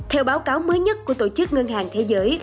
theo báo cáo mới nhất của tổ chức ngân hàng thế giới